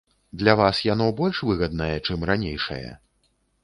Для вас яно больш выгаднае, чым ранейшае?